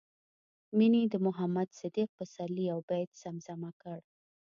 مينې د محمد صديق پسرلي يو بيت زمزمه کړ